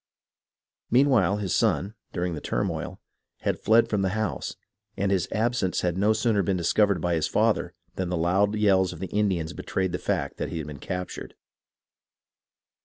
Meanwhile his son, during the turmoil, had fled from the house, and his absence had no sooner been discovered by his father than the loud yells of the Indians betrayed the fact that he had been captured.